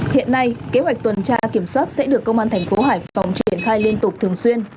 hiện nay kế hoạch tuần tra kiểm soát sẽ được công an thành phố hải phòng triển khai liên tục thường xuyên